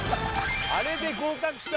あれで合格した？